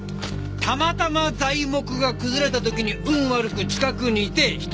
たまたま材木が崩れた時に運悪く近くにいて下敷きになっただけやろ。